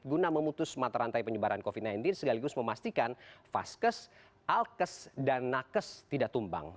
guna memutus mata rantai penyebaran covid sembilan belas segaligus memastikan vaskes alkes dan nakes tidak tumbang